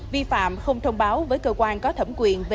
vi phạm không thông báo với cơ quan có thẩm quyền